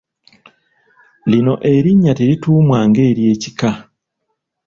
Lino erinnya terituumwa ng’ery’ekika.